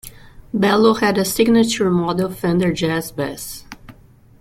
Bello had a signature model Fender Jazz bass.